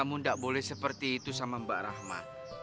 kamu tidak boleh seperti itu sama mbak rahma